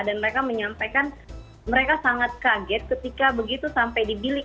dan mereka menyampaikan mereka sangat kaget ketika begitu sampai dibilik